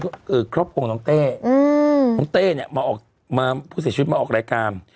คือครบภงน้องเทณ์อืมน้องเทณ์เนี้ยมาออกมาผู้เสียชวนมาออกรายการ